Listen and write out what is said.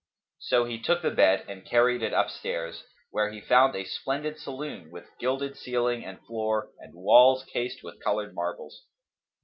So he took the bed and carried it upstairs, where he found a splendid saloon, with gilded ceiling and floor and walls cased with coloured marbles.